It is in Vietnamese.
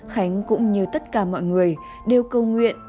khánh cũng như tất cả mọi người đều cầu nguyện